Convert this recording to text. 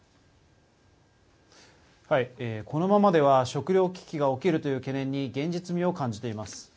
このままでは食糧危機が起きるという懸念に現実味を感じています。